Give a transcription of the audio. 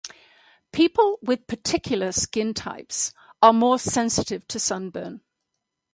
People with particular skin types are more sensitive to sunburn.